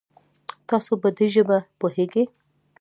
تاسو په دي ژبه پوهږئ؟